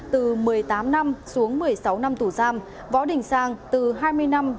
từ một mươi tám năm xuống một mươi sáu năm tù giam võ đình sang từ hai mươi năm xuống một mươi tám năm tù giam